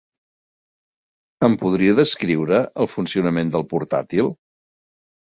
Em podria descriure el funcionament del portàtil?